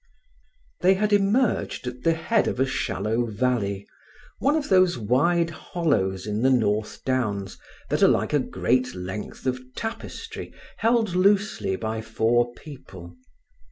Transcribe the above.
They had emerged at the head of a shallow valley—one of those wide hollows in the North Downs that are like a great length of tapestry held loosely by four people.